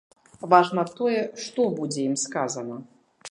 Важна тое, што будзе ім сказана.